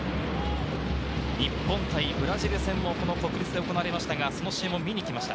日本対ブラジル戦もこの国立で行われましたが、その試合も見にきました。